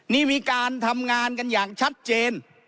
นี่มีการทำงานกันอย่างชัดเจน